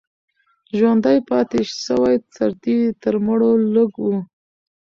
ژوندي پاتې سوي سرتیري تر مړو لږ وو.